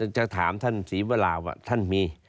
จะถามท่านศรีวราว่าท่านมี